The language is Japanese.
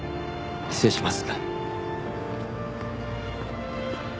失礼します。